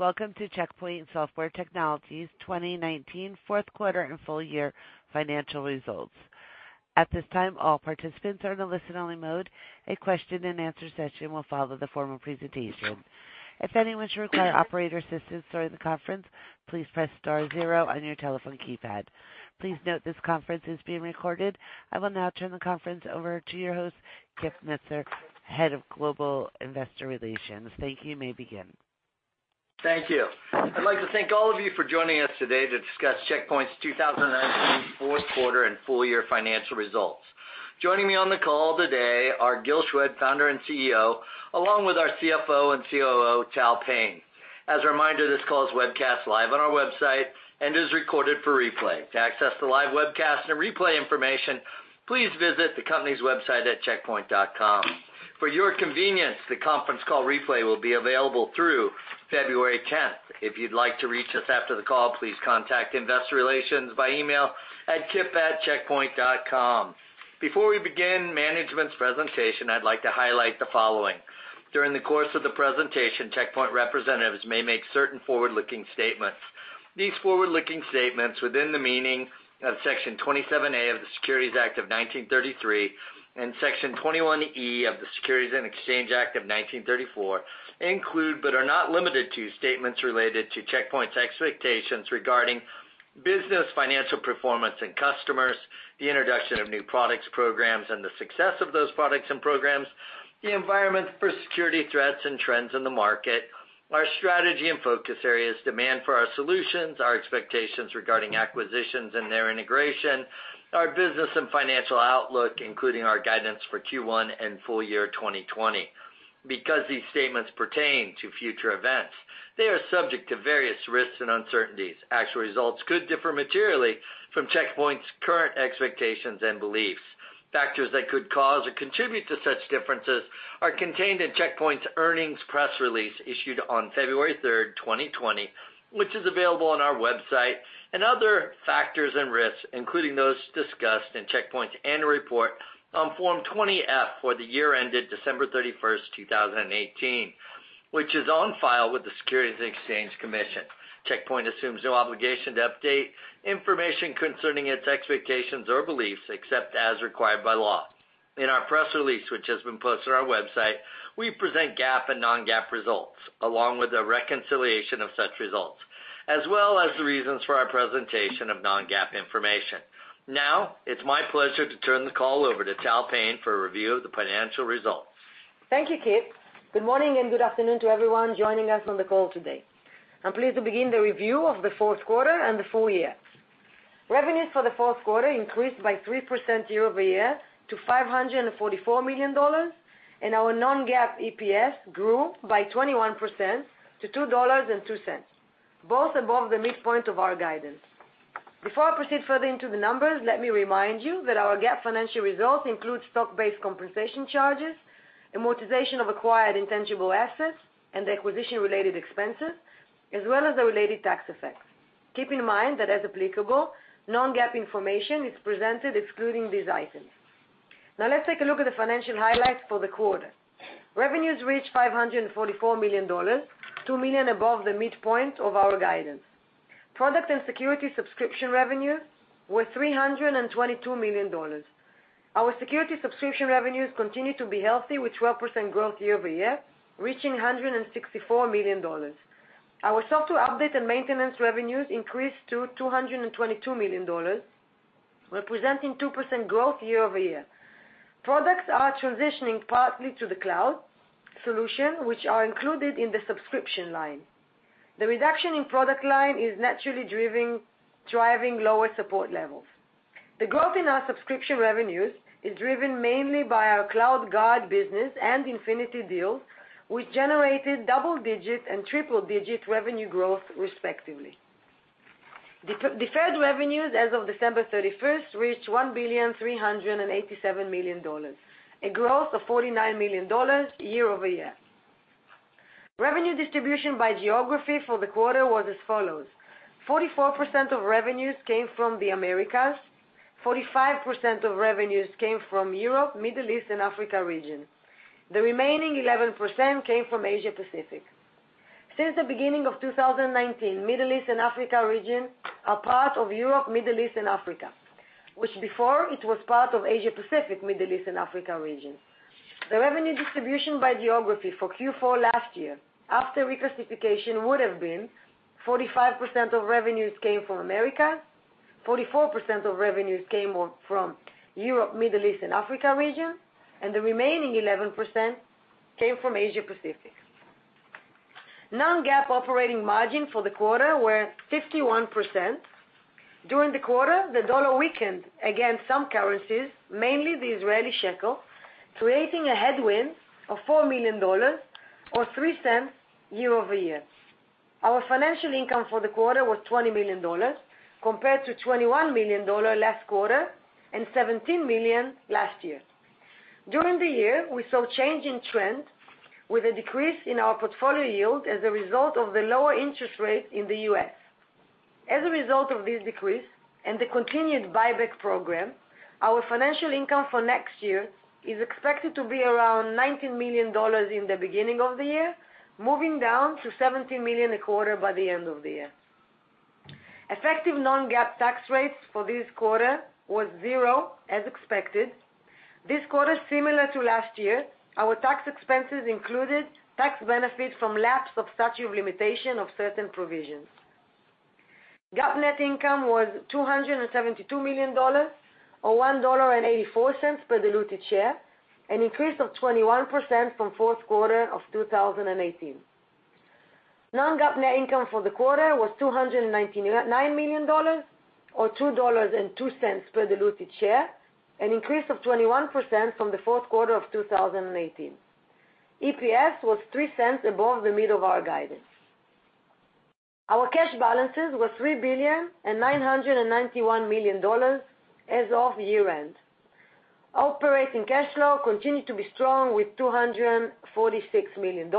Welcome to Check Point Software Technologies' 2019 fourth quarter and full year financial results. At this time, all participants are in a listen-only mode. A question and answer session will follow the formal presentation. If anyone should require operator assistance during the conference, please press star zero on your telephone keypad. Please note this conference is being recorded. I will now turn the conference over to your host, Kip Meintzer, Head of Global Investor Relations. Thank you. You may begin. Thank you. I'd like to thank all of you for joining us today to discuss Check Point's 2019 fourth quarter and full year financial results. Joining me on the call today are Gil Shwed, Founder and CEO, along with our CFO and COO, Tal Payne. As a reminder, this call is webcast live on our website and is recorded for replay. To access the live webcast and replay information, please visit the company's website at checkpoint.com. For your convenience, the conference call replay will be available through February 10th. If you'd like to reach us after the call, please contact investor relations by email at kip@checkpoint.com. Before we begin management's presentation, I'd like to highlight the following. During the course of the presentation, Check Point representatives may make certain forward-looking statements. These forward-looking statements, within the meaning of Section 27A of the Securities Act of 1933 and Section 21E of the Securities Exchange Act of 1934, include, but are not limited to, statements related to Check Point's expectations regarding business, financial performance and customers, the introduction of new products, programs, and the success of those products and programs, the environment for security threats and trends in the market, our strategy and focus areas, demand for our solutions, our expectations regarding acquisitions and their integration, our business and financial outlook, including our guidance for Q1 and full year 2020. Because these statements pertain to future events, they are subject to various risks and uncertainties. Actual results could differ materially from Check Point's current expectations and beliefs. Factors that could cause or contribute to such differences are contained in Check Point's earnings press release issued on February 3rd, 2020, which is available on our website, and other factors and risks, including those discussed in Check Point's annual report on Form 20-F for the year ended December 31st, 2018, which is on file with the Securities and Exchange Commission. Check Point assumes no obligation to update information concerning its expectations or beliefs, except as required by law. In our press release, which has been posted on our website, we present GAAP and non-GAAP results, along with the reconciliation of such results, as well as the reasons for our presentation of non-GAAP information. Now, it's my pleasure to turn the call over to Tal Payne for a review of the financial results. Thank you, Kip Meintzer. Good morning, and good afternoon to everyone joining us on the call today. I'm pleased to begin the review of the fourth quarter and the full year. Revenues for the fourth quarter increased by 3% year-over-year to $544 million, and our non-GAAP EPS grew by 21% to $2.02, both above the midpoint of our guidance. Before I proceed further into the numbers, let me remind you that our GAAP financial results include stock-based compensation charges, amortization of acquired intangible assets, and acquisition-related expenses, as well as the related tax effects. Keep in mind that, as applicable, non-GAAP information is presented excluding these items. Let's take a look at the financial highlights for the quarter. Revenues reached $544 million, $2 million above the midpoint of our guidance. Product and security subscription revenue were $322 million. Our security subscription revenues continue to be healthy with 12% growth year-over-year, reaching $164 million. Our software update and maintenance revenues increased to $222 million, representing 2% growth year-over-year. Products are transitioning partly to the cloud solution, which are included in the subscription line. The reduction in product line is naturally driving lower support levels. The growth in our subscription revenues is driven mainly by our CloudGuard business and Infinity deals, which generated double-digit, and triple-digit revenue growth respectively. Deferred revenues as of December 31st reached $1,387 million, a growth of $49 million year-over-year. Revenue distribution by geography for the quarter was as follows: 44% of revenues came from the Americas, 45% of revenues came from Europe, Middle East, and Africa region. The remaining 11% came from Asia Pacific. Since the beginning of 2019, Middle East and Africa region are part of Europe, Middle East, and Africa, which before it was part of Asia Pacific, Middle East, and Africa region. The revenue distribution by geography for Q4 last year after reclassification would have been 45% of revenues came from America, 44% of revenues came from Europe, Middle East, and Africa region, and the remaining 11% came from Asia Pacific. Non-GAAP operating margin for the quarter were 51%. During the quarter, the dollar weakened against some currencies, mainly the Israeli shekel, creating a headwind of $4 million or $0.03 year-over-year. Our financial income for the quarter was $20 million compared to $21 million last quarter, and $17 million last year. During the year, we saw change in trend with a decrease in our portfolio yield as a result of the lower interest rate in the U.S. As a result of this decrease and the continued buyback program, our financial income for next year is expected to be around $19 million in the beginning of the year, moving down to $17 million a quarter by the end of the year. Effective non-GAAP tax rates for this quarter was zero as expected. This quarter, similar to last year, our tax expenses included tax benefit from lapse of statute of limitation of certain provisions. GAAP net income was $272 million or $1.84 per diluted share, an increase of 21% from fourth quarter of 2018. Non-GAAP net income for the quarter was $299 million or $2.02 per diluted share, an increase of 21% from the fourth quarter of 2018. EPS was $0.03 above the mid of our guidance. Our cash balances were $3.991 billion as of year-end. Operating cash flow continued to be strong with $246 million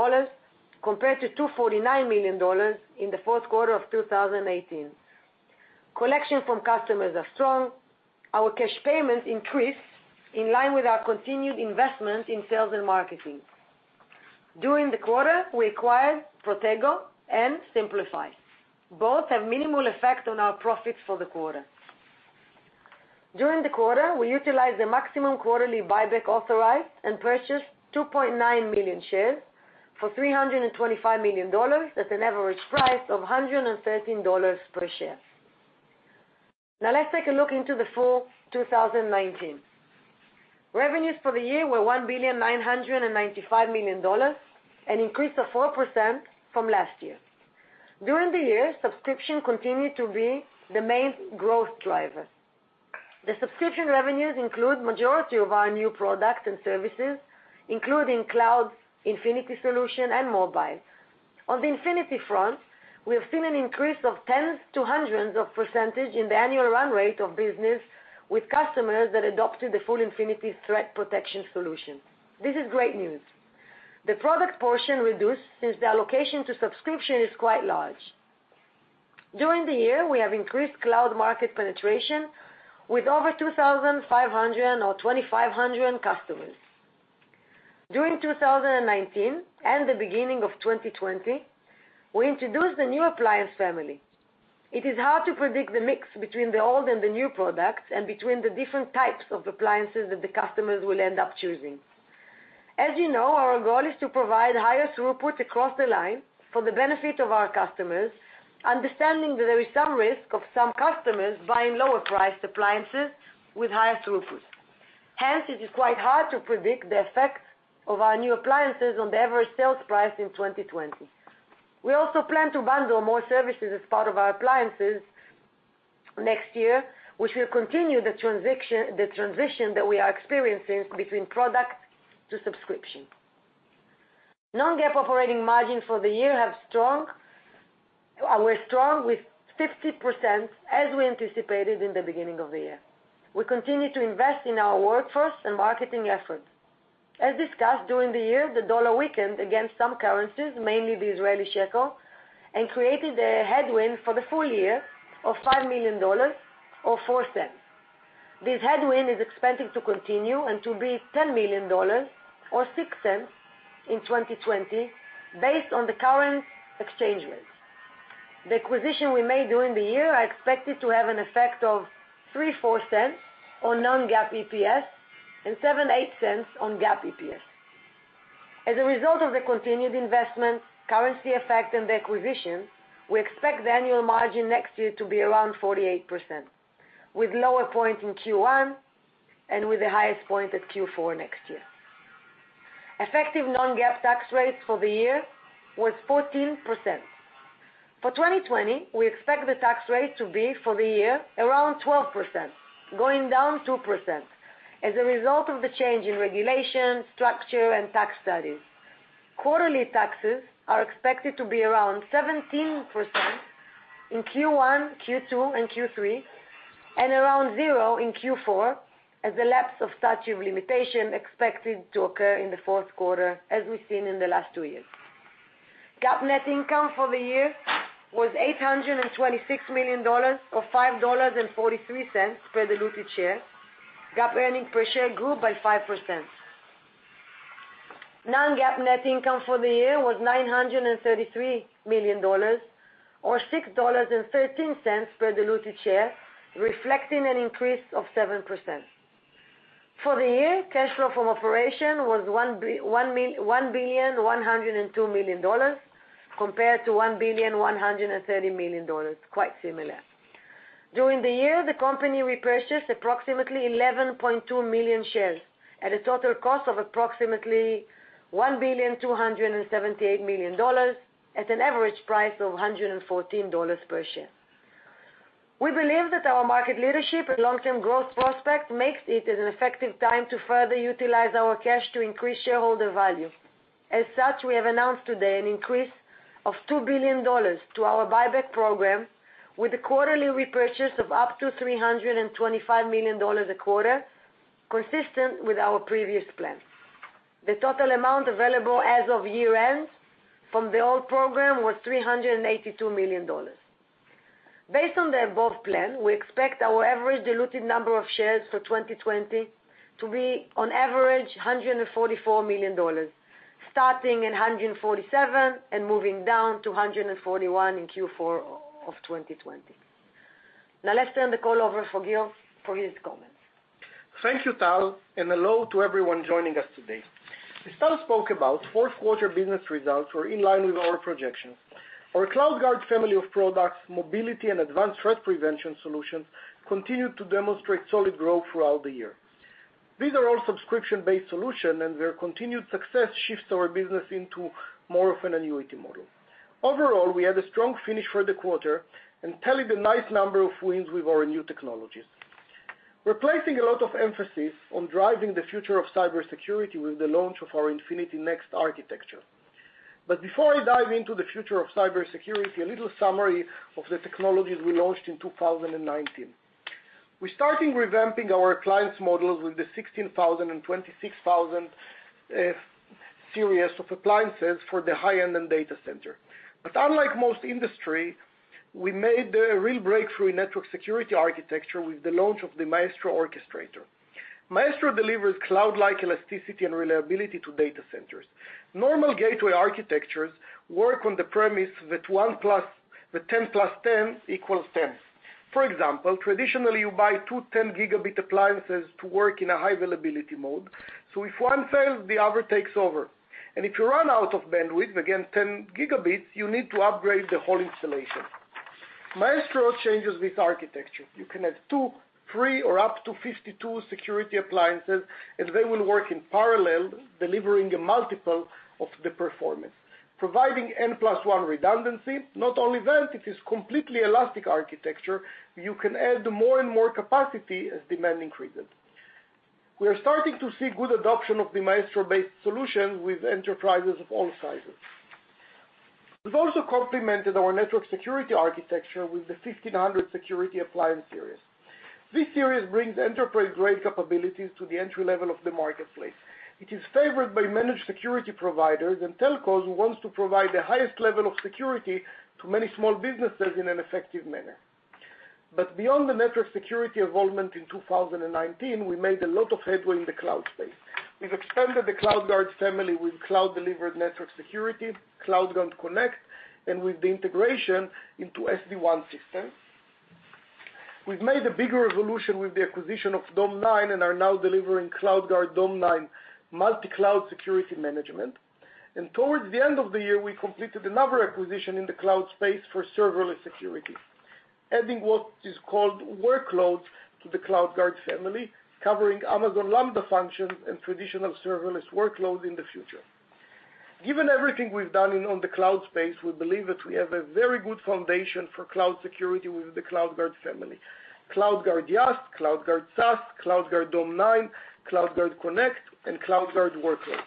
compared to $249 million in the fourth quarter of 2018. Collection from customers are strong. Our cash payments increased in line with our continued investment in sales and marketing. During the quarter, we acquired Protego and Cymplify. Both have minimal effect on our profits for the quarter. During the quarter, we utilized the maximum quarterly buyback authorized and purchased 2.9 million shares for $325 million at an average price of $113 per share. Now let's take a look into the full 2019. Revenues for the year were $1.995 billion, an increase of 4% from last year. During the year, subscription continued to be the main growth driver. The subscription revenues include majority of our new products and services, including Cloud Infinity solution, and mobile. On the Infinity front, we have seen an increase of tens to hundreds of percentage in the annual run rate of business with customers that adopted the full Infinity threat protection solution. This is great news. The product portion reduced since the allocation to subscription is quite large. During the year, we have increased cloud market penetration with over 2,500 customers. During 2019 and the beginning of 2020, we introduced the new appliance family. It is hard to predict the mix between the old and the new products and between the different types of appliances that the customers will end up choosing. As you know, our goal is to provide higher throughput across the line for the benefit of our customers, understanding that there is some risk of some customers buying lower priced appliances with higher throughput. Hence, it is quite hard to predict the effect of our new appliances on the average sales price in 2020. We also plan to bundle more services as part of our appliances next year, which will continue the transition that we are experiencing between product to subscription. Non-GAAP operating margin for the year were strong with 50% as we anticipated in the beginning of the year. We continue to invest in our workforce and marketing efforts. As discussed during the year, the dollar weakened against some currencies, mainly the Israeli shekel, and created a headwind for the full year of $5 million or $0.04. This headwind is expected to continue and to be $10 million or $0.06 in 2020 based on the current exchange rates. The acquisition we made during the year are expected to have an effect of $0.03, $0.04 on non-GAAP EPS and $0.07, $0.08 on GAAP EPS. As a result of the continued investment, currency effect, and the acquisition, we expect the annual margin next year to be around 48%, with lower point in Q1 and with the highest point at Q4 next year. Effective non-GAAP tax rates for the year was 14%. For 2020, we expect the tax rate to be, for the year, around 12%, going down 2%, as a result of the change in regulation, structure, and tax studies. Quarterly taxes are expected to be around 17% in Q1, Q2, and Q3, and around zero in Q4 as the lapse of statute of limitation expected to occur in the fourth quarter as we've seen in the last two years. GAAP net income for the year was $826 million or $5.43 per diluted share. GAAP earnings per share grew by 5%. Non-GAAP net income for the year was $933 million or $6.13 per diluted share, reflecting an increase of 7%. For the year, cash flow from operation was $1,102 million compared to $1,130 million, quite similar. During the year, the company repurchased approximately 11.2 million shares at a total cost of approximately $1,278 million at an average price of $114 per share. We believe that our market leadership and long-term growth prospect makes it an effective time to further utilize our cash to increase shareholder value. As such, we have announced today an increase of $2 billion to our buyback program with a quarterly repurchase of up to $325 million a quarter, consistent with our previous plan. The total amount available as of year-end from the old program was $382 million. Based on the above plan, we expect our average diluted number of shares for 2020 to be on average, 144 million, starting at 147 million and moving down to 141 million in Q4 of 2020. Let's turn the call over for Gil Shwed for his comments. Thank you, Tal Payne. Hello to everyone joining us today. As Tal Payne spoke about, fourth quarter business results were in line with our projections. Our CloudGuard family of products, mobility and advanced threat prevention solutions, continued to demonstrate solid growth throughout the year. These are all subscription-based solutions, and their continued success shifts our business into more of an annuity model. Overall, we had a strong finish for the quarter and tallied a nice number of wins with our new technologies. We're placing a lot of emphasis on driving the future of cybersecurity with the launch of our Infinity-Next architecture. Before I dive into the future of cybersecurity, a little summary of the technologies we launched in 2019. We started revamping our clients models with the 16,000 and 26,000 series of appliances for the high-end and data center. Unlike most industry, we made a real breakthrough in network security architecture with the launch of the Maestro Orchestrator. Maestro delivers cloud-like elasticity and reliability to data centers. Normal gateway architectures work on the premise that 10 + 10 = 10. For example, traditionally, you buy two 10 Gb appliances to work in a high availability mode, so if one fails, the other takes over. And if you run out of bandwidth, again, 10 Gb, you need to upgrade the whole installation. Maestro changes this architecture. You can have two, three, or up to 52 security appliances, and they will work in parallel, delivering a multiple of the performance, providing N plus one redundancy. Not only that, it is completely elastic architecture. You can add more and more capacity as demand increases. We are starting to see good adoption of the Maestro-based solution with enterprises of all sizes. We've also complemented our network security architecture with the 1500 appliance series. This series brings enterprise-grade capabilities to the entry level of the marketplace. It is favored by managed security providers and telcos who want to provide the highest level of security to many small businesses in an effective manner. Beyond the network security involvement in 2019, we made a lot of headway in the cloud space. We've expanded the CloudGuard family with cloud-delivered network security, CloudGuard Connect, and with the integration into SD-WAN systems. We've made a bigger revolution with the acquisition of Dome9, and are now delivering CloudGuard Dome9 multi-cloud security management. Towards the end of the year, we completed another acquisition in the cloud space for serverless security, adding what is called Workloads to the CloudGuard family, covering Amazon Lambda functions and traditional serverless workloads in the future. Given everything we've done on the cloud space, we believe that we have a very good foundation for cloud security with the CloudGuard family, CloudGuard IaaS, CloudGuard SaaS, CloudGuard Dome9, CloudGuard Connect, and CloudGuard Workload.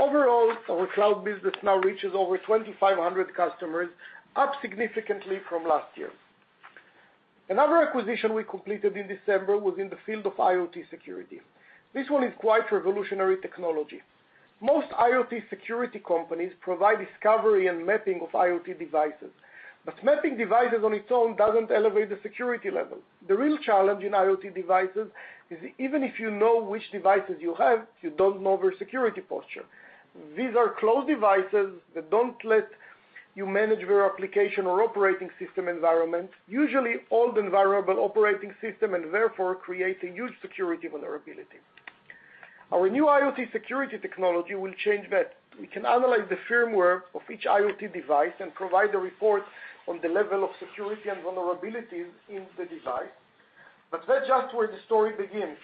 Overall, our cloud business now reaches over 2,500 customers, up significantly from last year. Another acquisition we completed in December was in the field of IoT security. This one is quite revolutionary technology. Most IoT security companies provide discovery and mapping of IoT devices, but mapping devices on its own doesn't elevate the security level. The real challenge in IoT devices is even if you know which devices you have, you don't know their security posture. These are closed devices that don't let you manage their application or operating system environment, usually old and vulnerable operating system, and therefore create a huge security vulnerability. Our new IoT security technology will change that. We can analyze the firmware of each IoT device and provide a report on the level of security and vulnerabilities in the device, that's just where the story begins.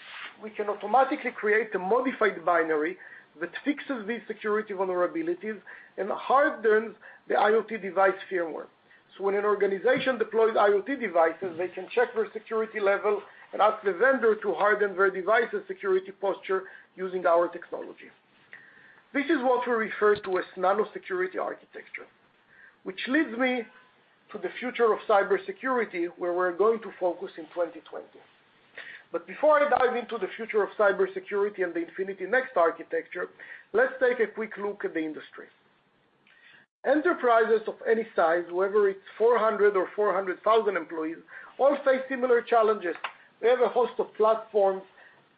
We can automatically create a modified binary that fixes these security vulnerabilities and hardens the IoT device firmware. When an organization deploys IoT devices, they can check their security level and ask the vendor to harden their device's security posture using our technology. This is what we refer to as Nano Security architecture, which leads me to the future of cybersecurity, where we're going to focus in 2020. Before I dive into the future of cybersecurity and the Infinity-Next architecture, let's take a quick look at the industry. Enterprises of any size, whether it's 400 or 400,000 employees, all face similar challenges. They have a host of platforms,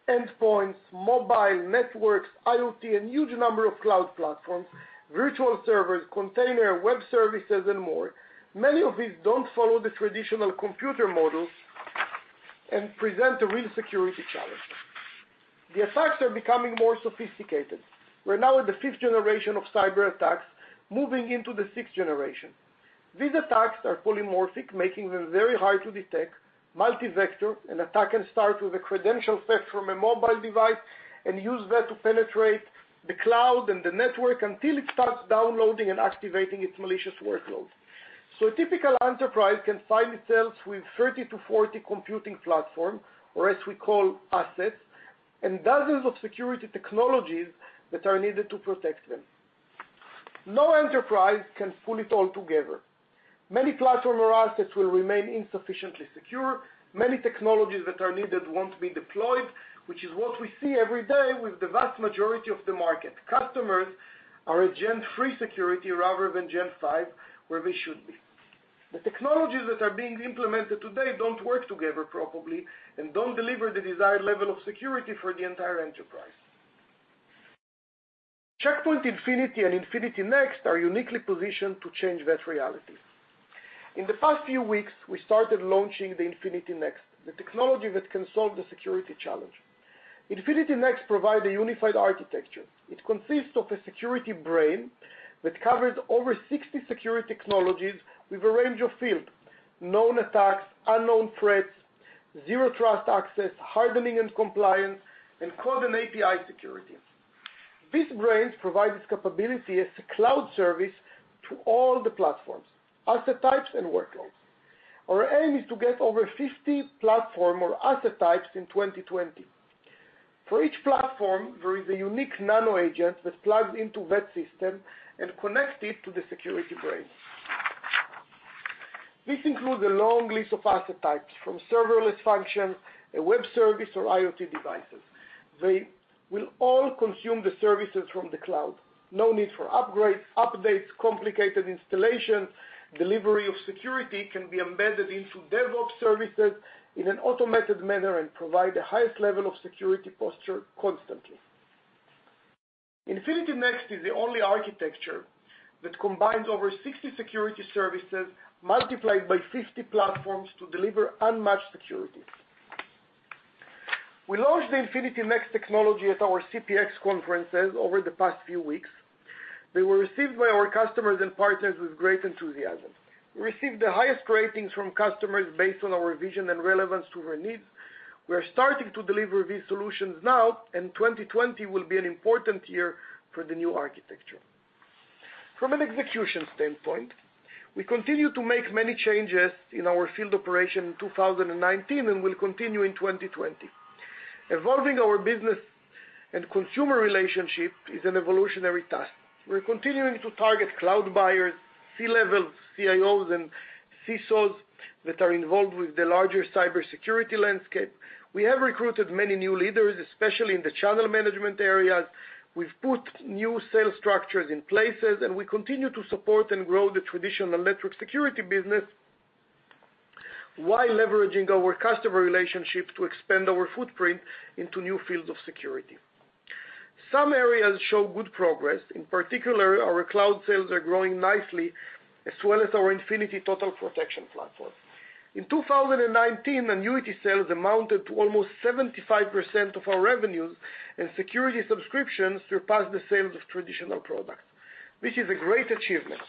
endpoints, mobile networks, IoT, a huge number of cloud platforms, virtual servers, container, web services, and more. Many of these don't follow the traditional computer models and present a real security challenge. The attacks are becoming more sophisticated. We're now at the fifth generation of cyberattacks, moving into the sixth generation. These attacks are polymorphic, making them very hard to detect, multi-vector. An attack can start with a credential theft from a mobile device and use that to penetrate the cloud and the network until it starts downloading and activating its malicious workload. A typical enterprise can find itself with 30-40 computing platform, or as we call assets, and dozens of security technologies that are needed to protect them. No enterprise can pull it all together. Many platform assets will remain insufficiently secure. Many technologies that are needed won't be deployed, which is what we see every day with the vast majority of the market. Customers are a Gen 3 security rather than Gen 5, where they should be. The technologies that are being implemented today don't work together properly and don't deliver the desired level of security for the entire enterprise. Check Point Infinity and Infinity-Next are uniquely positioned to change that reality. In the past few weeks, we started launching the Infinity-Next, the technology that can solve the security challenge. Infinity-Next provide a unified architecture. It consists of a security brain that covers over 60 security technologies with a range of field, known attacks, unknown threats, zero trust access, hardening and compliance, and code and API security. This brain provides capability as a cloud service to all the platforms, asset types, and workloads. Our aim is to get over 50 platform or asset types in 2020. For each platform, there is a unique Nano Agent that plugs into that system and connects it to the security brain. This includes a long list of asset types, from serverless function, a web service, or IoT devices. They will all consume the services from the cloud. No need for upgrades, updates, complicated installation. Delivery of security can be embedded into DevOps services in an automated manner and provide the highest level of security posture constantly. Infinity-Next is the only architecture that combines over 60 security services multiplied by 50 platforms to deliver unmatched security. We launched the Infinity-Next technology at our CPX conferences over the past few weeks. They were received by our customers and partners with great enthusiasm. We received the highest ratings from customers based on our vision and relevance to their needs. We're starting to deliver these solutions now, and 2020 will be an important year for the new architecture. From an execution standpoint, we continue to make many changes in our field operation in 2019, and will continue in 2020. Evolving our business and consumer relationship is an evolutionary task. We're continuing to target cloud buyers, C-levels, CIOs, and CISOs that are involved with the larger cybersecurity landscape. We have recruited many new leaders, especially in the channel management areas. We've put new sales structures in places, and we continue to support and grow the traditional network security business, while leveraging our customer relationships to expand our footprint into new fields of security. Some areas show good progress. In particular, our cloud sales are growing nicely, as well as our Infinity Total Protection platform. In 2019, annuity sales amounted to almost 75% of our revenues, and security subscriptions surpassed the sales of traditional products. This is a great achievement.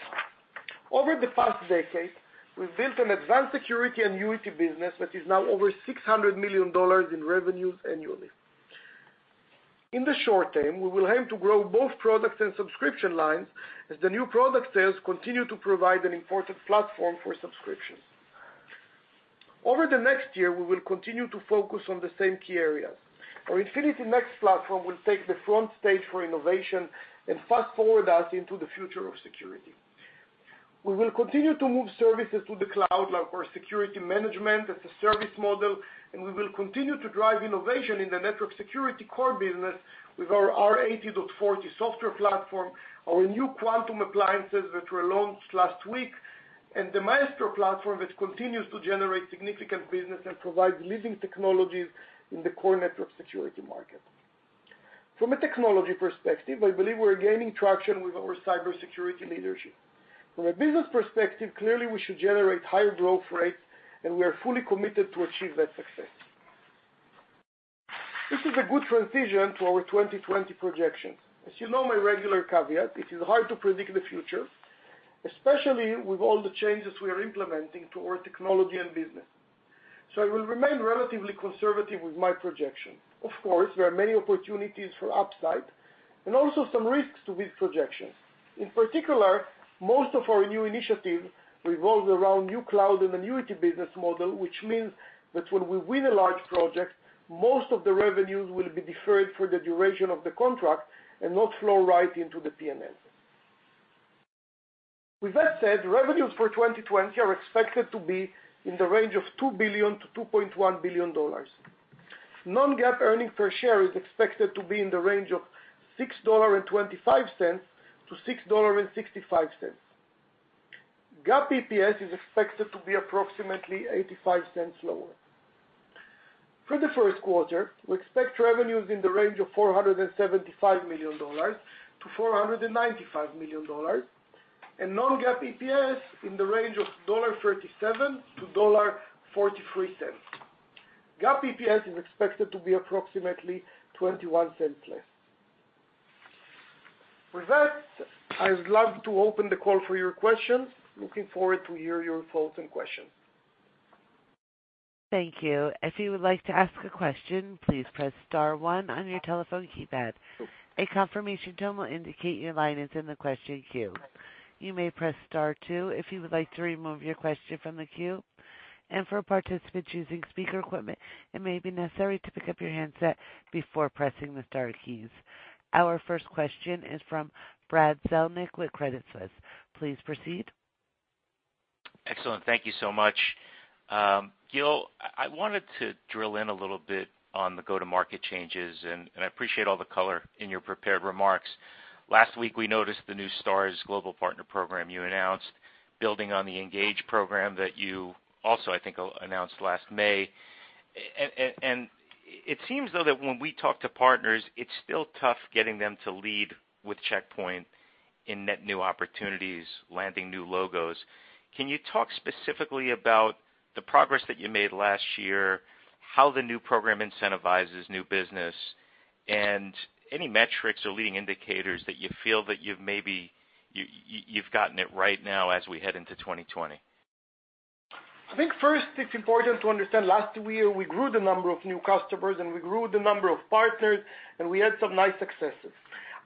Over the past decade, we've built an advanced security annuity business that is now over $600 million in revenues annually. In the short term, we will aim to grow both products and subscription lines as the new product sales continue to provide an important platform for subscriptions. Over the next year, we will continue to focus on the same key areas. Our Infinity-Next platform will take the front stage for innovation and fast-forward us into the future of security. We will continue to move services to the cloud, like our security management as a service model. We will continue to drive innovation in the network security core business with our R80.40 software platform, our new Quantum appliances that were launched last week, and the Maestro platform that continues to generate significant business and provide leading technologies in the core network security market. From a technology perspective, I believe we're gaining traction with our cybersecurity leadership. From a business perspective, clearly we should generate higher growth rates. We are fully committed to achieve that success. This is a good transition to our 2020 projections. As you know, my regular caveat, it is hard to predict the future, especially with all the changes we are implementing to our technology and business. I will remain relatively conservative with my projection. Of course, there are many opportunities for upside and also some risks to these projections. In particular, most of our new initiatives revolve around new cloud and annuity business model, which means that when we win a large project, most of the revenues will be deferred for the duration of the contract and not flow right into the P&L. With that said, revenues for 2020 are expected to be in the range of $2 billion-$2.1 billion. Non-GAAP earnings per share is expected to be in the range of $6.25-$6.65. GAAP EPS is expected to be approximately $0.85 lower. For the first quarter, we expect revenues in the range of $475 million-$495 million, and non-GAAP EPS in the range of $1.37-$1.43. GAAP EPS is expected to be approximately $0.21 less. With that, I would love to open the call for your questions. Looking forward to hear your thoughts and questions. Thank you. If you would like to ask a question, please press star one on your telephone keypad. A confirmation tone will indicate your line is in the question queue. You may press star two if you would like to remove your question from the queue. For participants using speaker equipment, it may be necessary to pick up your handset before pressing the star keys. Our first question is from Brad Zelnick with Credit Suisse. Please proceed. Excellent. Thank you so much. Gil Shwed, I wanted to drill in a little bit on the go-to-market changes, and I appreciate all the color in your prepared remarks. Last week, we noticed the new Check Point's Global Partner program you announced, building on the Check Point Engage program that you also, I think, announced last May. It seems though, that when we talk to partners, it's still tough getting them to lead with Check Point in net new opportunities, landing new logos. Can you talk specifically about the progress that you made last year, how the new program incentivizes new business, and any metrics or leading indicators that you feel that you've gotten it right now as we head into 2020? I think first it's important to understand, last year, we grew the number of new customers, and we grew the number of partners, and we had some nice successes.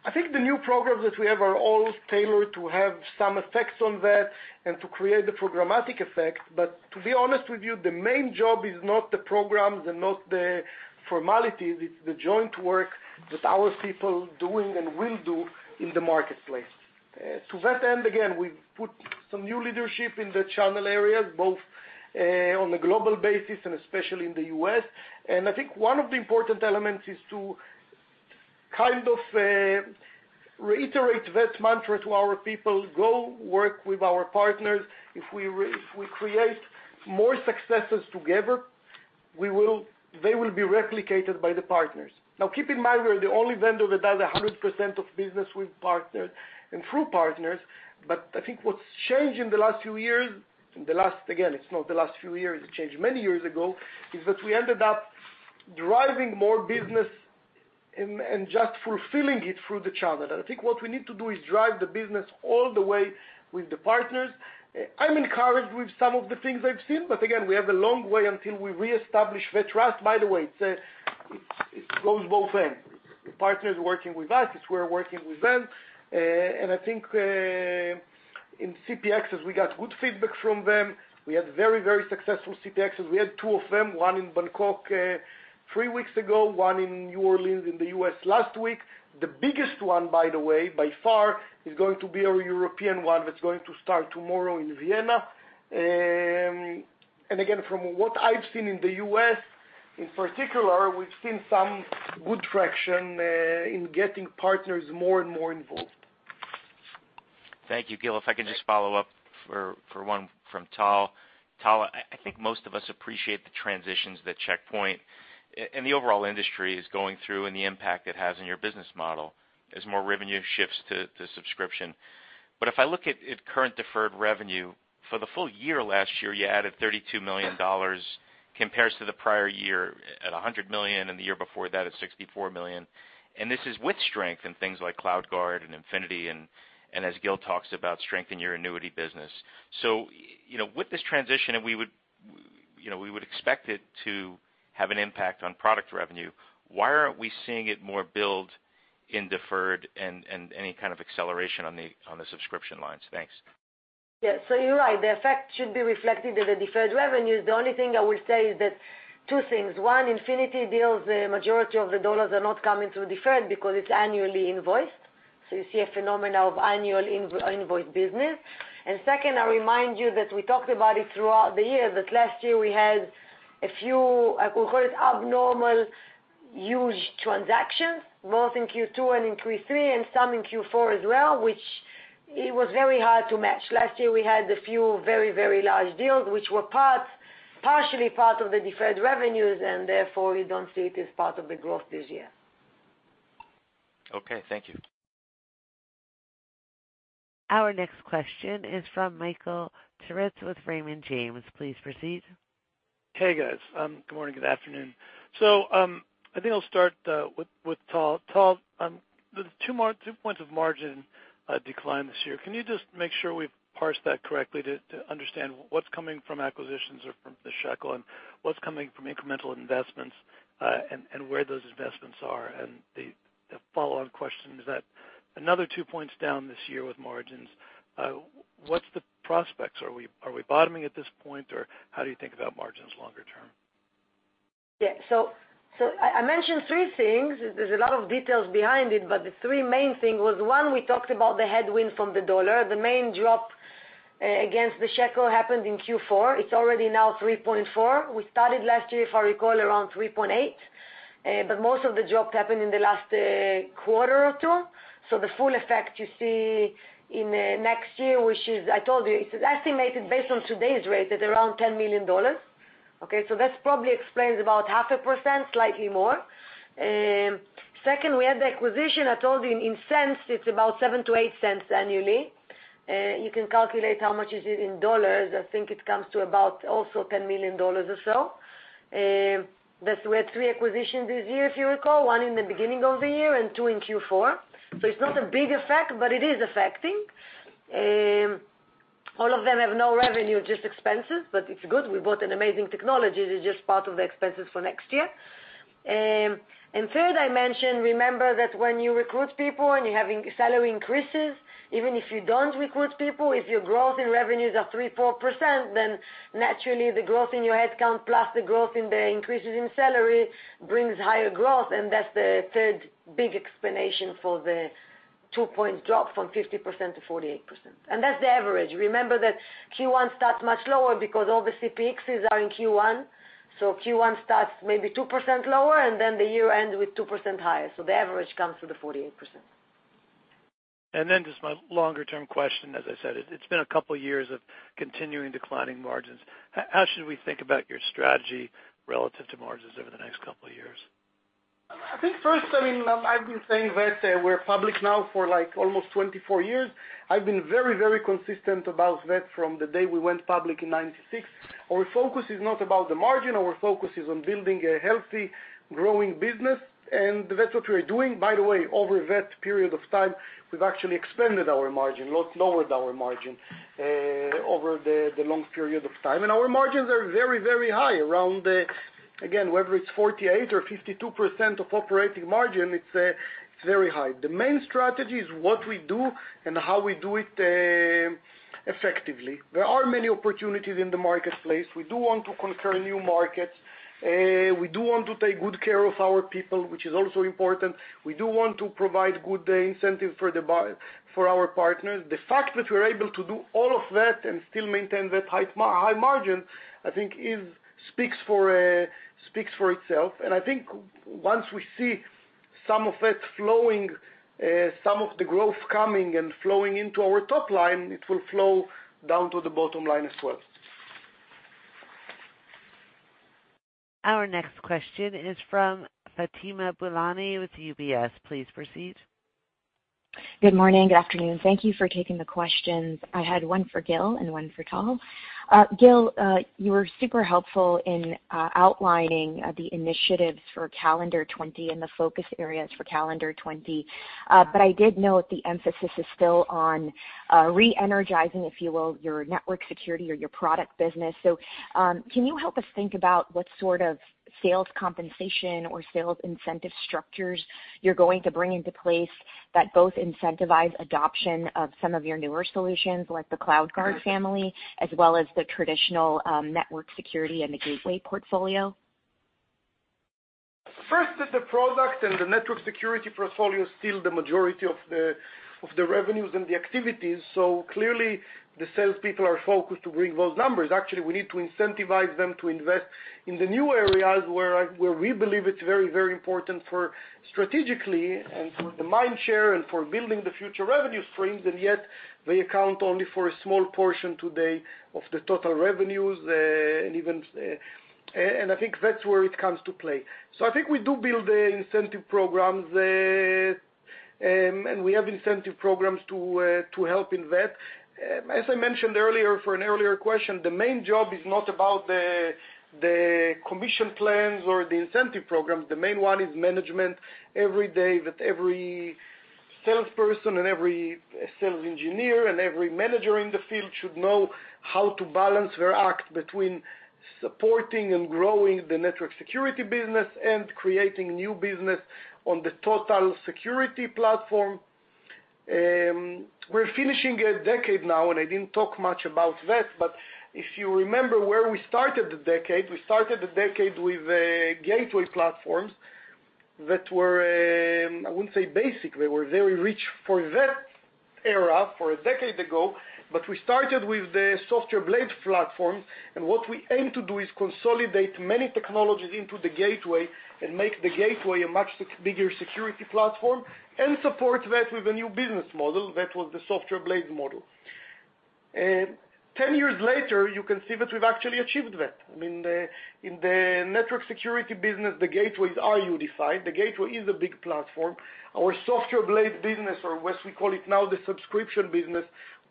I think the new programs that we have are all tailored to have some effects on that and to create the programmatic effect. To be honest with you, the main job is not the programs and not the formalities, it's the joint work that our people doing and will do in the marketplace. To that end again, we put some new leadership in the channel areas, both on a global basis and especially in the U.S. I think one of the important elements is to kind of reiterate that mantra to our people. Go work with our partners. If we create more successes together, they will be replicated by the partners. Keep in mind, we're the only vendor that does 100% of business with partners and through partners. I think what's changed in the last few years, it changed many years ago, is that we ended up driving more business and just fulfilling it through the channel. I think what we need to do is drive the business all the way with the partners. I'm encouraged with some of the things I've seen, but again, we have a long way until we reestablish that trust. By the way, it goes both ways. The partners working with us, it's we're working with them. I think, in CPXs, we got good feedback from them. We had very successful CPXs. We had two of them, one in Bangkok three weeks ago, one in New Orleans in the U.S. last week. The biggest one, by the way, by far, is going to be our European one that's going to start tomorrow in Vienna. Again, from what I've seen in the U.S. in particular, we've seen some good traction in getting partners more and more involved. Thank you, Gil Shwed. If I could just follow up for one from Tal Payne. Tal Payne, I think most of us appreciate the transitions that Check Point and the overall industry is going through and the impact it has on your business model as more revenue shifts to subscription. If I look at current deferred revenue, for the full year last year, you added $32 million compares to the prior year at $100 million, and the year before that at $64 million, and this is with strength in things like CloudGuard and Infinity and as Gil Shwed talks about strength in your annuity business. With this transition, and we would expect it to have an impact on product revenue, why aren't we seeing it more build in deferred and any kind of acceleration on the subscription lines? Thanks. Yeah. You're right, the effect should be reflected in the deferred revenues. The only thing I will say is that two things. One, Infinity deals, the majority of the dollars are not coming through deferred because it's annually invoiced. You see a phenomena of annual invoice business. Second, I remind you that we talked about it throughout the year, that last year we had a few, I would call it abnormal, huge transactions, both in Q2 and in Q3, and some in Q4 as well, which it was very hard to match. Last year, we had a few very large deals, which were partially part of the deferred revenues, and therefore, we don't see it as part of the growth this year. Okay. Thank you. Our next question is from Michael Turits with Raymond James. Please proceed. Hey, guys. Good morning, good afternoon. I think I'll start with Tal Payne. Tal Payne, the two points of margin decline this year, can you just make sure we've parsed that correctly to understand what's coming from acquisitions or from the shekel and what's coming from incremental investments, and where those investments are? The follow-on question is that another two points down this year with margins, what's the prospects? Are we bottoming at this point, or how do you think about margins longer term? Yeah. I mentioned three things. There's a lot of details behind it, but the three main thing was, one, we talked about the headwind from the dollar. The main drop against the ILS happened in Q4. It's already now 3.4. We started last year, if I recall, around 3.8. Most of the drop happened in the last quarter or two. The full effect you see in next year, which is, I told you, it's estimated based on today's rate at around $10 million. Okay. That's probably explains about half a percent, slightly more. Second, we had the acquisition. I told you, in $0.07-$0.08 annually. You can calculate how much is it in dollars. I think it comes to about also $10 million or so. That we had three acquisitions this year, if you recall, one in the beginning of the year and two in Q4. It's not a big effect, but it is affecting. All of them have no revenue, just expenses, but it's good. We bought an amazing technology. This is just part of the expenses for next year. Third, I mentioned, remember that when you recruit people and you're having salary increases, even if you don't recruit people, if your growth in revenues are 3%, 4%, then naturally, the growth in your headcount plus the growth in the increases in salary brings higher growth, and that's the third big explanation for the two-point drop from 50% to 48%. That's the average. Remember that Q1 starts much lower because all the CPXs are in Q1, so Q1 starts maybe 2% lower, and then the year ends with 2% higher. The average comes to the 48%. Just my longer-term question, as I said, it's been a couple of years of continuing declining margins. How should we think about your strategy relative to margins over the next couple of years? I think first, I've been saying that we're public now for almost 24 years. I've been very consistent about that from the day we went public in 1996. Our focus is not about the margin. Our focus is on building a healthy, growing business. That's what we're doing. By the way, over that period of time, we've actually expanded our margin, not lowered our margin, over the long period of time. Our margins are very high, around, again, whether it's 48% or 52% of operating margin, it's very high. The main strategy is what we do and how we do it effectively. There are many opportunities in the marketplace. We do want to conquer new markets. We do want to take good care of our people, which is also important. We do want to provide good incentive for our partners. The fact that we're able to do all of that and still maintain that high margin, I think speaks for itself. I think once we see some of that flowing, some of the growth coming and flowing into our top line, it will flow down to the bottom line as well. Our next question is from Fatima Boolani with UBS. Please proceed. Good morning. Good afternoon. Thank you for taking the questions. I had one for Gil Shwed and one for Tal Payne. Gil Shwed, you were super helpful in outlining the initiatives for calendar 2020 and the focus areas for calendar 2020. I did note the emphasis is still on re-energizing, if you will, your network security or your product business. Can you help us think about what sort of sales compensation or sales incentive structures you're going to bring into place that both incentivize adoption of some of your newer solutions, like the CloudGuard family, as well as the traditional network security and the gateway portfolio? First is the product and the network security portfolio is still the majority of the revenues and the activities. Clearly, the salespeople are focused to bring those numbers. We need to incentivize them to invest in the new areas where we believe it's very, very important for strategically and for the mind share and for building the future revenue streams, and yet they account only for a small portion today of the total revenues. I think that's where it comes to play. I think we do build the incentive programs, and we have incentive programs to help in that. As I mentioned earlier for an earlier question, the main job is not about the commission plans or the incentive programs. The main one is management, every day that every salesperson and every sales engineer and every manager in the field should know how to balance their act between supporting and growing the network security business and creating new business on the total security platform. We're finishing a decade now, and I didn't talk much about that, but if you remember where we started the decade, we started the decade with gateway platforms that were, I wouldn't say basic, they were very rich for that era, for a decade ago, but we started with the Software Blade platform, and what we aim to do is consolidate many technologies into the gateway and make the gateway a much bigger security platform and support that with a new business model. That was the Software Blade model. 10 years later, you can see that we've actually achieved that. In the network security business, the gateways are unified. The gateway is a big platform. Our Software Blade business, or as we call it now, the subscription business,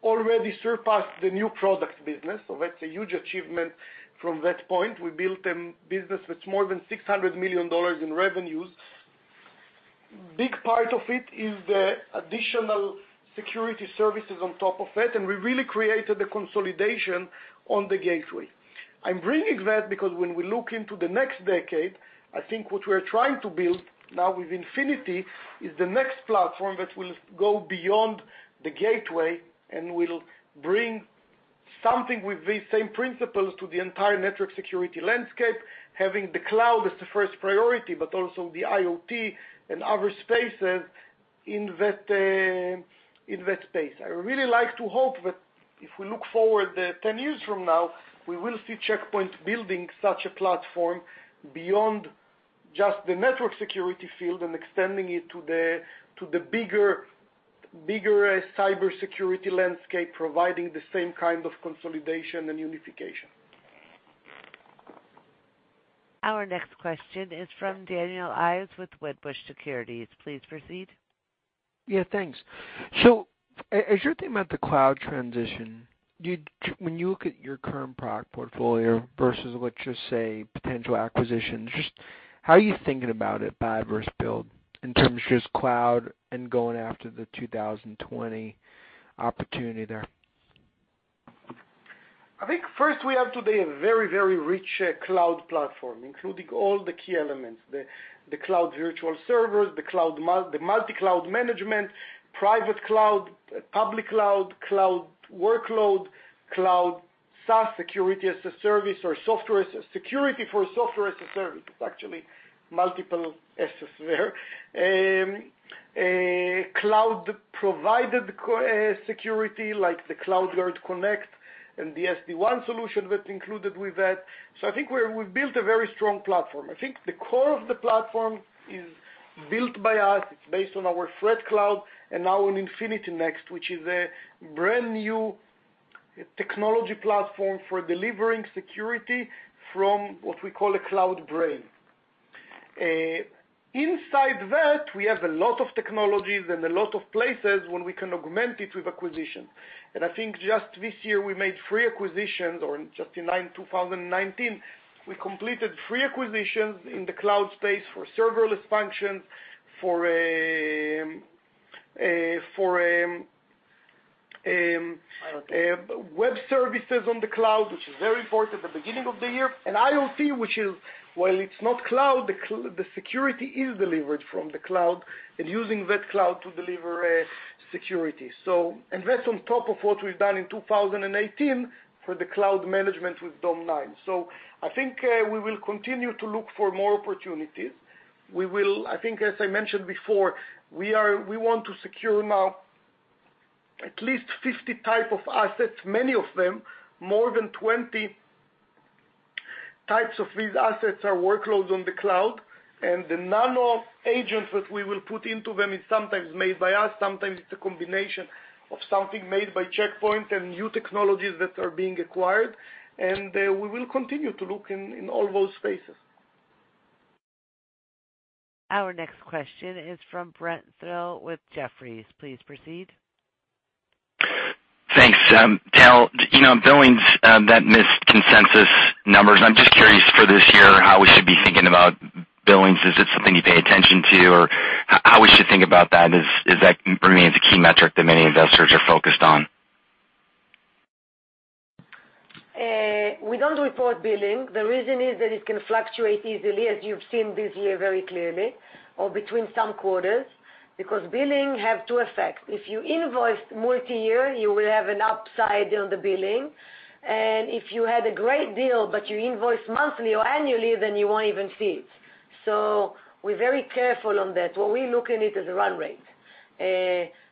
already surpassed the new products business. That's a huge achievement from that point. We built a business that's more than $600 million in revenues. Big part of it is the additional security services on top of it, and we really created the consolidation on the gateway. I'm bringing that because when we look into the next decade, I think what we're trying to build now with Infinity is the next platform that will go beyond the gateway and will bring something with these same principles to the entire network security landscape, having the cloud as the first priority, but also the IoT and other spaces in that space. I really like to hope that if we look forward 10 years from now, we will see Check Point building such a platform beyond just the network security field and extending it to the bigger cybersecurity landscape, providing the same kind of consolidation and unification. Our next question is from Daniel Ives with Wedbush Securities. Please proceed. Yeah, thanks. As you're thinking about the cloud transition, when you look at your current product portfolio versus what you say potential acquisitions, just how are you thinking about it, buy versus build, in terms of just cloud and going after the 2020 opportunity there? I think first we have today a very rich cloud platform, including all the key elements, the cloud virtual servers, the multi-cloud management, private cloud, public cloud workload, CloudGuard SaaS, security as a service or security for Software-as-a-Service. It's actually multiple S's there. Cloud-provided security like the CloudGuard Connect and the SD-WAN solution that's included with that. I think we've built a very strong platform. I think the core of the platform is built by us. It's based on our ThreatCloud and now on Infinity-Next, which is a brand-new technology platform for delivering security from what we call a cloud brain. Inside that, we have a lot of technologies and a lot of places where we can augment it with acquisition. I think just this year we made three acquisitions, or just in 2019, we completed three acquisitions in the cloud space for serverless functions for a web services on the cloud, which is very important at the beginning of the year. IoT, while it's not cloud, the security is delivered from the cloud and using that cloud to deliver security. That's on top of what we've done in 2018 for the cloud management with Dome9. I think we will continue to look for more opportunities. I think, as I mentioned before, we want to secure now at least 50 type of assets. Many of them, more than 20 types of these assets, are workloads on the cloud, and the nano agents that we will put into them is sometimes made by us, sometimes it's a combination of something made by Check Point and new technologies that are being acquired. We will continue to look in all those spaces. Our next question is from Brent Thill with Jefferies. Please proceed. Thanks. Tal Payne, billings that missed consensus numbers, I'm just curious for this year how we should be thinking about billings. Is it something you pay attention to? How we should think about that, as that remains a key metric that many investors are focused on? We don't report billing. The reason is that it can fluctuate easily, as you've seen this year very clearly, or between some quarters, because billing have two effects. If you invoice multi-year, you will have an upside on the billing, and if you had a great deal, but you invoice monthly or annually, then you won't even see it. We're very careful on that. What we look in it as a run rate.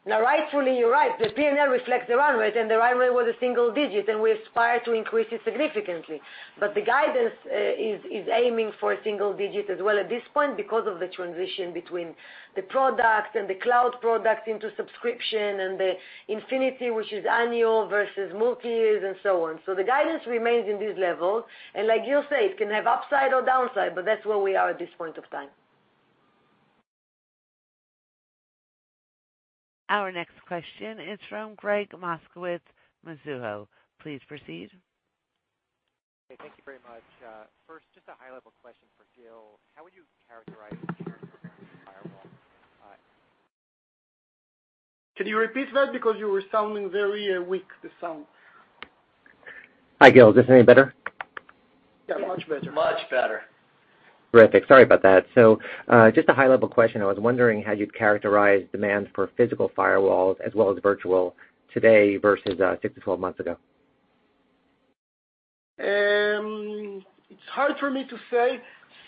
Rightfully, you're right, the P&L reflects the run rate, and the run rate was a single digit, and we aspire to increase it significantly. The guidance is aiming for a single digit as well at this point because of the transition between the products and the cloud products into subscription and the Infinity, which is annual versus multi-years and so on. The guidance remains in this level, and like Gil Shwed said, it can have upside or downside, but that's where we are at this point of time. Our next question is from Gregg Moskowitz, Mizuho. Please proceed. Okay. Thank you very much. First, just a high-level question for Gil Shwed. How would you characterize your firewall? Can you repeat that? Because you were sounding very weak, the sound. Hi, Gil Shwed, is this any better? Yeah, much better. Much better. Terrific. Sorry about that. Just a high-level question. I was wondering how you'd characterize demands for physical firewalls as well as virtual today versus six to 12 months ago. It's hard for me to say.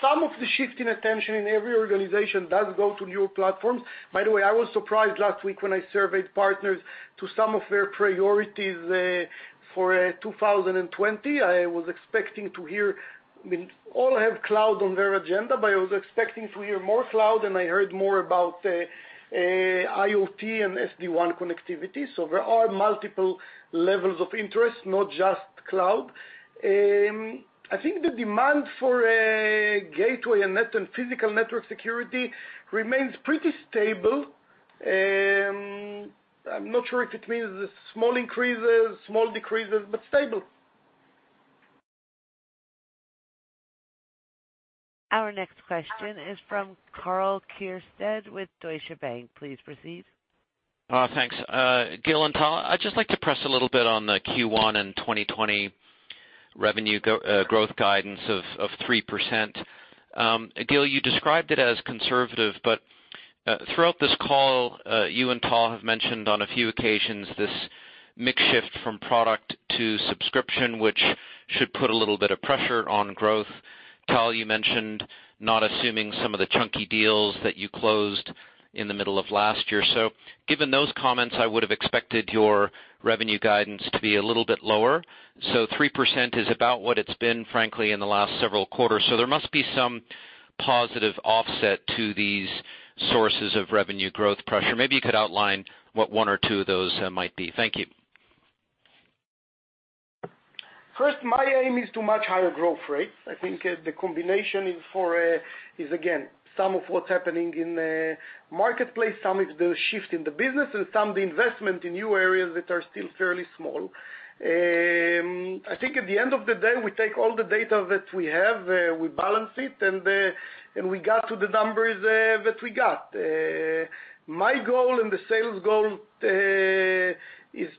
Some of the shift in attention in every organization does go to new platforms. By the way, I was surprised last week when I surveyed partners to some of their priorities for 2020. I was expecting to hear, all have cloud on their agenda, but I was expecting to hear more cloud, and I heard more about IoT and SD-WAN connectivity. There are multiple levels of interest, not just cloud. I think the demand for gateway and physical network security remains pretty stable. I'm not sure if it means small increases, small decreases, but stable. Our next question is from Karl Keirstad with Deutsche Bank. Please proceed. Thanks. Gil Shwed and Tal Payne, I'd just like to press a little bit on the Q1 and 2020 revenue growth guidance of 3%. Gil Shwed, you described it as conservative. Throughout this call, you and Tal have mentioned on a few occasions this mix shift from product to subscription, which should put a little bit of pressure on growth. Tal Payne, you mentioned not assuming some of the chunky deals that you closed in the middle of last year. Given those comments, I would have expected your revenue guidance to be a little bit lower. 3% is about what it's been, frankly, in the last several quarters. There must be some positive offset to these sources of revenue growth pressure. Maybe you could outline what one or two of those might be. Thank you. My aim is to much higher growth rates. I think the combination is, again, some of what's happening in the marketplace, some is the shift in the business, and some the investment in new areas that are still fairly small. I think at the end of the day, we take all the data that we have, we balance it, and we got to the numbers that we got. My goal and the sales goal is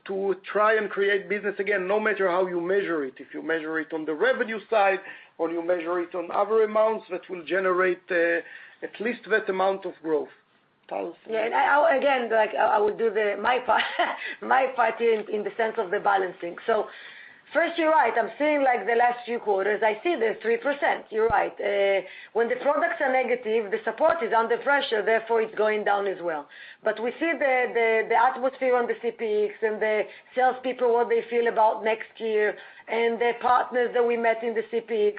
to try and create business again, no matter how you measure it. If you measure it on the revenue side, or you measure it on other amounts, that will generate at least that amount of growth. Tal Payne? Again, I will do my part in the sense of the balancing. First, you're right, I'm seeing the last few quarters, I see the 3%. You're right. When the products are negative, the support is under pressure, therefore it's going down as well. We see the atmosphere on the CPX and the salespeople, what they feel about next year, and the partners that we met in the CPX.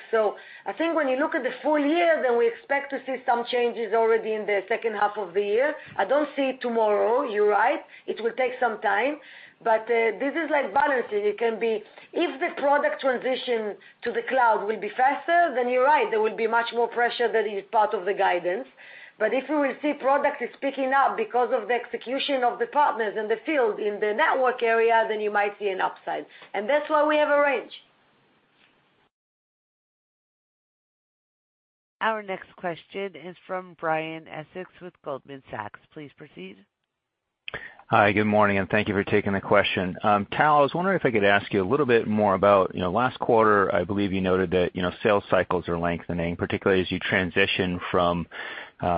I think when you look at the full year, then we expect to see some changes already in the second half of the year. I don't see it tomorrow, you're right. It will take some time. This is like balancing. If the product transition to the cloud will be faster, then you're right, there will be much more pressure than is part of the guidance. If we will see product is picking up because of the execution of the partners in the field, in the network area, then you might see an upside. That's why we have a range. Our next question is from Brian Essex with Goldman Sachs. Please proceed. Hi, good morning, and thank you for taking the question. Tal Payne, I was wondering if I could ask you a little bit more about, last quarter, I believe you noted that sales cycles are lengthening, particularly as you transition from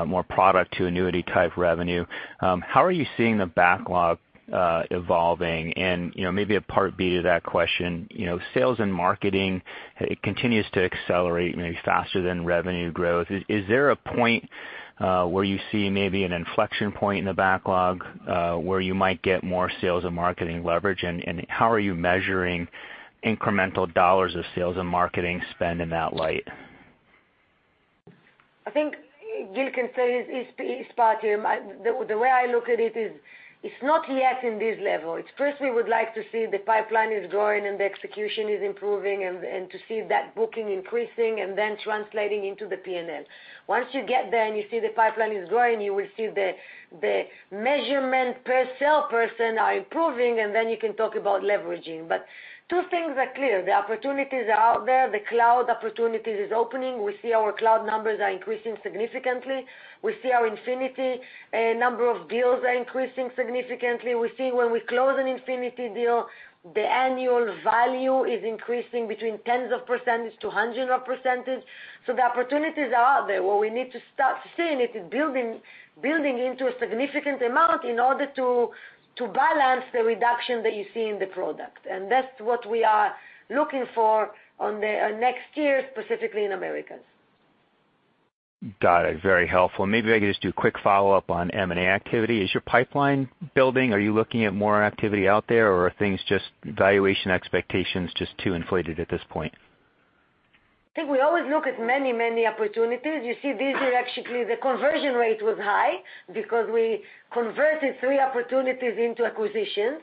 more product to annuity type revenue. How are you seeing the backlog evolving? Maybe a part B to that question, sales and marketing, it continues to accelerate maybe faster than revenue growth. Is there a point where you see maybe an inflection point in the backlog, where you might get more sales and marketing leverage? How are you measuring incremental dollars of sales and marketing spend in that light? I think Gil Shwed can say his part here. The way I look at it is, it's not yet in this level. First, we would like to see the pipeline is growing and the execution is improving, and to see that booking increasing, and then translating into the P&L. Once you get there and you see the pipeline is growing, you will see the measurement per salesperson are improving, and then you can talk about leveraging. Two things are clear. The opportunities are out there. The cloud opportunity is opening. We see our cloud numbers are increasing significantly. We see our Infinity number of deals are increasing significantly. We see when we close an Infinity deal, the annual value is increasing between tens of percentage to hundreds of percentage. The opportunities are out there. What we need to start seeing it is building into a significant amount in order to balance the reduction that you see in the product. That's what we are looking for on next year, specifically in Americas. Got it. Very helpful. Maybe if I could just do a quick follow-up on M&A activity. Is your pipeline building? Are you looking at more activity out there, or are things just valuation expectations just too inflated at this point? I think we always look at many opportunities. You see, this year actually, the conversion rate was high because we converted three opportunities into acquisitions.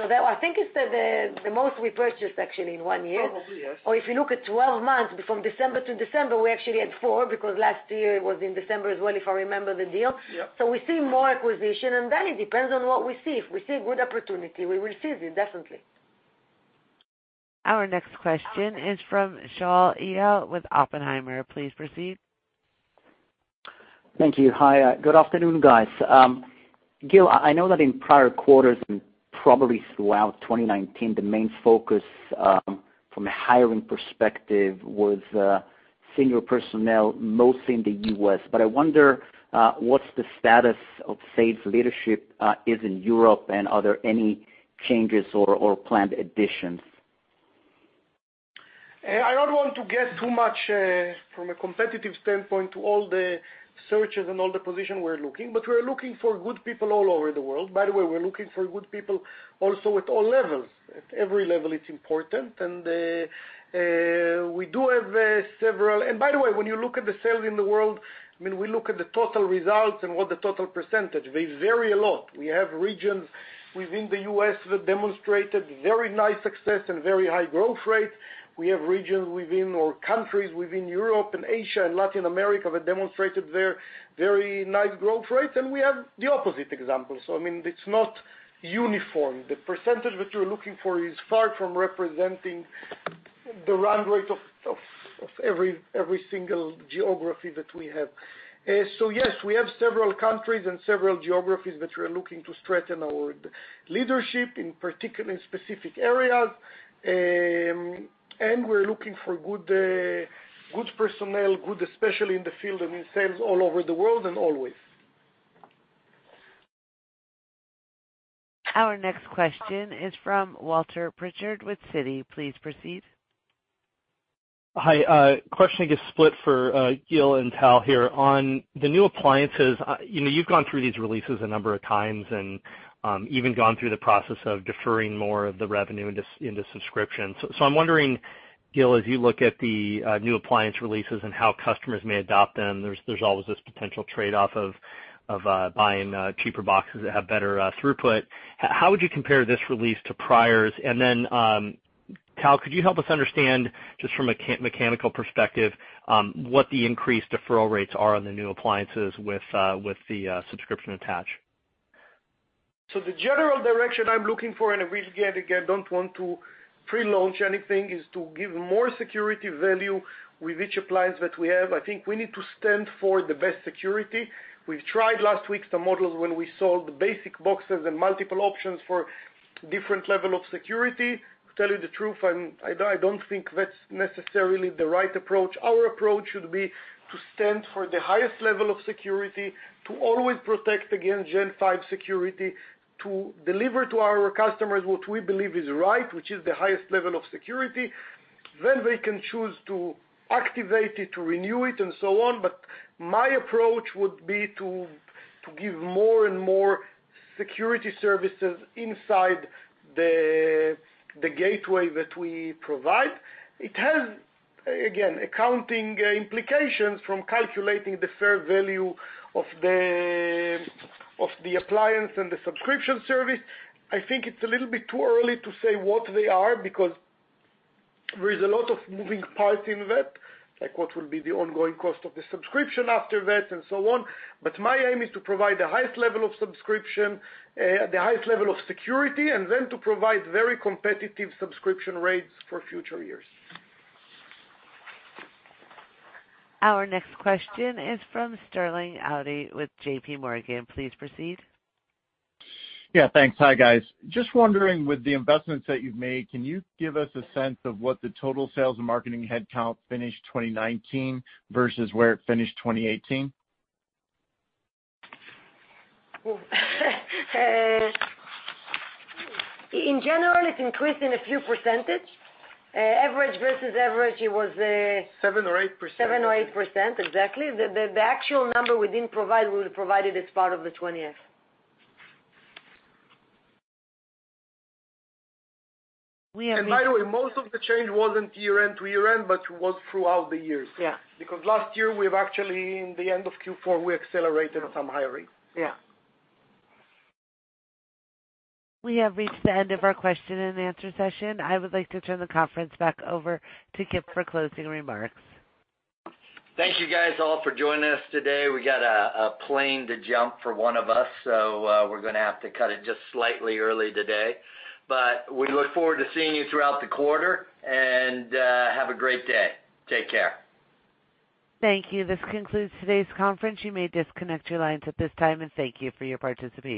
I think it's the most we purchased actually in one year. Probably, yes. If you look at 12 months, from December to December, we actually had four, because last year it was in December as well, if I remember the deal. Yeah. We see more acquisition, and then it depends on what we see. If we see a good opportunity, we will seize it, definitely. Our next question is from Shaul Eyal with Oppenheimer. Please proceed. Thank you. Hi, good afternoon, guys. Gil Shwed, I know that in prior quarters, and probably throughout 2019, the main focus, from a hiring perspective, was senior personnel, mostly in the U.S. I wonder what's the status of sales leadership is in Europe, and are there any changes or planned additions? I don't want to get too much from a competitive standpoint to all the searches and all the positions we're looking. We're looking for good people all over the world. By the way, we're looking for good people also at all levels. At every level, it's important. By the way, when you look at the sales in the world, we look at the total results and what the total percentage, they vary a lot. We have regions within the U.S. that demonstrated very nice success and very high growth rate. We have regions within, or countries within Europe and Asia and Latin America that demonstrated their very nice growth rates, and we have the opposite example. It's not uniform. The percentage that you're looking for is far from representing the run rate of every single geography that we have. Yes, we have several countries and several geographies that we're looking to strengthen our leadership, in particular in specific areas. We're looking for good personnel, good especially in the field and in sales all over the world, and always. Our next question is from Walter Pritchard with Citi. Please proceed. Hi. Question, I guess, split for Gil Shwed and Tal Payne here. On the new appliances, you've gone through these releases a number of times and even gone through the process of deferring more of the revenue into subscriptions. I'm wondering, Gil Shwed, as you look at the new appliance releases and how customers may adopt them, there's always this potential trade-off of buying cheaper boxes that have better throughput. How would you compare this release to priors? Tal Payne, could you help us understand, just from a mechanical perspective, what the increased deferral rates are on the new appliances with the subscription attach? The general direction I'm looking for, and I really, again, don't want to pre-launch anything, is to give more security value with each appliance that we have. I think we need to stand for the best security. We've tried last week some models when we sold basic boxes and multiple options for different level of security. To tell you the truth, I don't think that's necessarily the right approach. Our approach should be to stand for the highest level of security, to always protect against Gen 5 security, to deliver to our customers what we believe is right, which is the highest level of security. They can choose to activate it, to renew it, and so on. My approach would be to give more and more security services inside the gateway that we provide. It has, again, accounting implications from calculating the fair value of the appliance and the subscription service. I think it's a little bit too early to say what they are because there is a lot of moving parts in that, like what will be the ongoing cost of the subscription after that, and so on. My aim is to provide the highest level of security, and then to provide very competitive subscription rates for future years. Our next question is from Sterling Auty with JPMorgan. Please proceed. Yeah, thanks. Hi, guys. Just wondering, with the investments that you've made, can you give us a sense of what the total sales and marketing headcount finish 2019 versus where it finished 2018? In general, it's increased in a few percentage. 7% or 8%. 7% or 8%, exactly. The actual number we didn't provide, we'll provide it as part of the 20F. By the way, most of the change wasn't year-end to year-end, but was throughout the years. Yeah. Last year, we have actually, in the end of Q4, we accelerated some hiring. Yeah. We have reached the end of our question and answer session. I would like to turn the conference back over to Kip Meintzer for closing remarks. Thank you guys all for joining us today. We got a plane to jump for one of us, so we're going to have to cut it just slightly early today. We look forward to seeing you throughout the quarter, and have a great day. Take care. Thank you. This concludes today's conference. You may disconnect your lines at this time, and thank you for your participation.